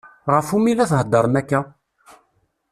Ɣef umi i la theddṛem akka?